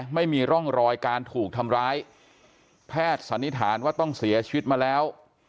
ไม่มีร่องรอยการถูกทำร้ายแพทย์สันนิษฐานว่าต้องเสียชีวิตมาแล้ว